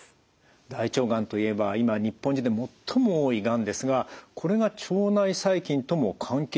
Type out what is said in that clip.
大腸がんといえば今日本人で最も多いがんですがこれが腸内細菌とも関係しているということなんですか？